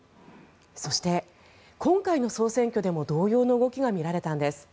そして、今回の総選挙でも同様の動きがみられたんです。